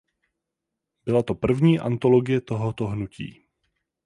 Byla to první antologie tohoto hnutí.